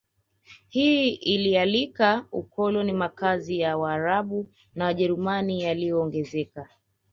Hii ilialika ukoloni Makazi ya Waarabu na Waajemi yaliongezeka